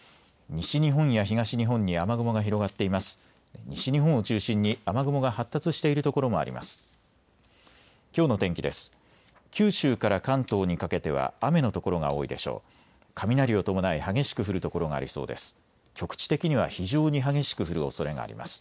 西日本を中心に雨雲が発達しているところもあります。